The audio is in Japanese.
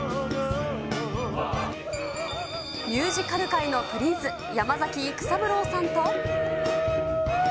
ミュージカル界のプリンス、山崎育三郎さんと。